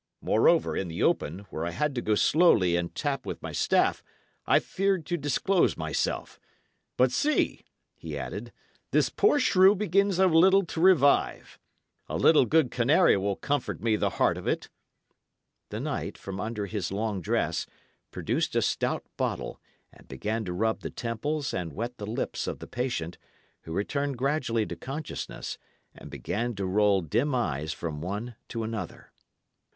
Moreover, in the open, where I had to go slowly and tap with my staff, I feared to disclose myself. But see," he added, "this poor shrew begins a little to revive. A little good canary will comfort me the heart of it." The knight, from under his long dress, produced a stout bottle, and began to rub the temples and wet the lips of the patient, who returned gradually to consciousness, and began to roll dim eyes from one to another.